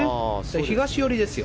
東寄りですよ。